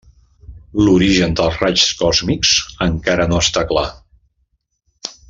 L'origen dels raigs còsmics encara no està clar.